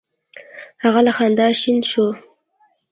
هغه له خندا شین شو: